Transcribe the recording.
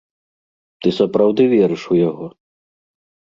Ты сапраўды верыш у яго?